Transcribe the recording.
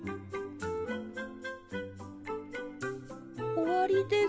おわりです。